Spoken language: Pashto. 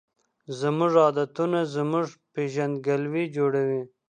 زموږ عادتونه زموږ پیژندګلوي جوړوي.